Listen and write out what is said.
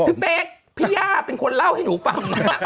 พี่เป๊กพี่ย่าเป็นคนเล่าให้หนูฟังนะฮะ